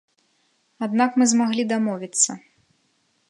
Аднак мы змаглі дамовіцца.